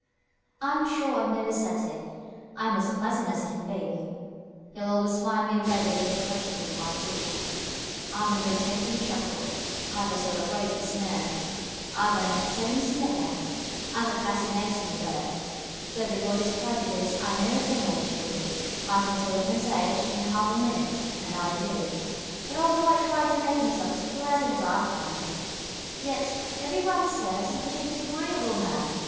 I'm sure I'm no ascetic: I'm as pleasant as can be; You'll always find me ready with a crushing repartee; I've an irritating chuckle; I've a celebrated sneer; I've an entertaining snigger; I've a fascinating leer; To everybody's prejudice I know a thing or two; I can tell a woman's age in half a minute and I do But although I try to make myself as pleasant as I can, Yet everybody says I'm such a disagreeable man!